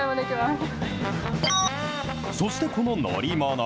そしてこの乗り物。